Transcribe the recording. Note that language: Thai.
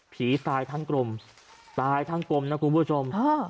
ตายทั้งกลมตายทั้งกลมนะคุณผู้ชม